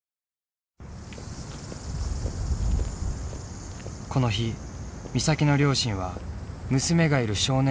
この日美咲の両親は娘がいる少年院を訪れた。